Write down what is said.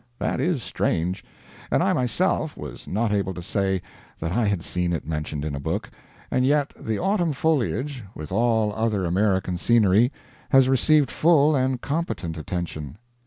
That is strange. And I, myself, was not able to say that I had seen it mentioned in a book; and yet the autumn foliage, with all other American scenery, has received full and competent attention.